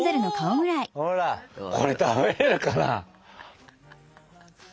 これ食べれるかな。